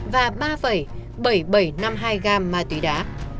và ba bảy nghìn bảy trăm năm mươi hai gam ma túy đá